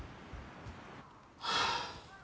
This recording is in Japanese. はあ。